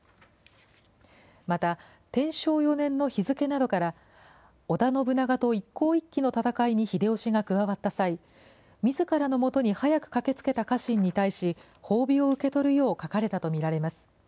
また、天正４年の日付などから、織田信長と一向一揆の戦いに秀吉が加わった際、みずからのもとに早く駆けつけた家臣に対し、褒美を受け取るよう書かれたと見られます。